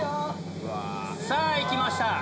さぁいきました。